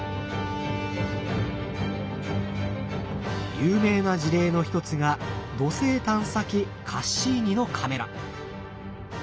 有名な事例の一つが土星探査機カッシーニのカメラ。